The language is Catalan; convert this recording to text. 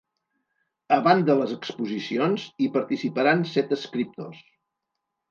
A banda les exposicions, hi participaran set escriptors.